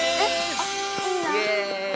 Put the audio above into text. あっいいな。